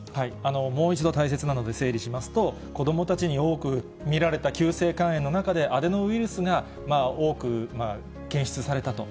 もう一度大切なので整理しますと、子どもたちに多く見られた急性肝炎の中で、アデノウイルスが多く検出されたと。